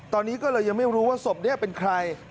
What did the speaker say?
ตอนนี้ก็เลยยังไม่รู้ว่าศพนี้เป็นใคร